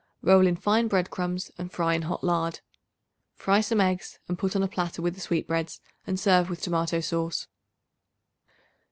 Roll in fine bread crumbs and fry in hot lard. Fry some eggs and put on a platter with the sweetbreads and serve with tomato sauce.